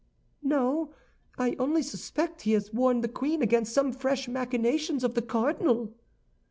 "No, I only suspect he has warned the queen against some fresh machinations of the cardinal."